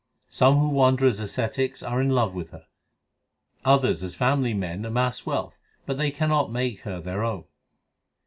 Some who wander as ascetics are in love with her ; Others as family men amass wealth, but they cannot make her their own.